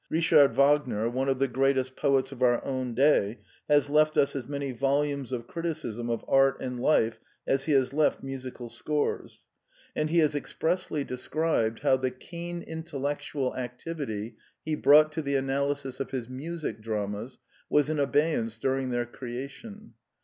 Richard Wagner, one of the greatest poets of our own day, has left us as many volumes of criticism of art and life as he has left musical scores; and he has expressly 64 The Quintessence of Ibsenism described how the keen intellectual activity he brought to the analysis of his music dramas was in abeyance during their creation.